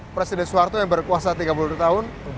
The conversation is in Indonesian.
presiden soeharto yang berkuasa tiga puluh dua tahun